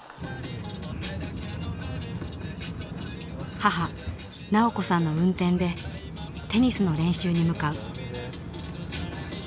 母直子さんの運転でテニスの練習に向かう。